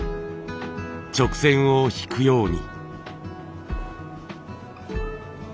直線を引くように。